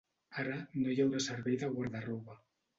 Ara, no hi haurà servei de guarda-roba.